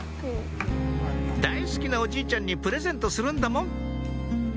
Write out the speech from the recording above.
「大好きなおじいちゃんにプレゼントするんだもん」